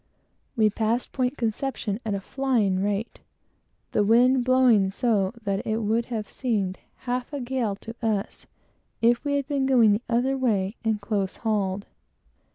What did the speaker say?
We passed Point Conception at a flying rate, the wind blowing so that it would have seemed half a gale to us, if we had been going the other way and close hauled.